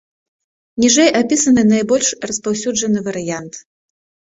Ніжэй апісаны найбольш распаўсюджаны варыянт.